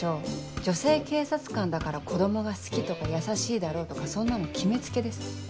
女性警察官だから子供が好きとか優しいだろうとかそんなの決め付けです。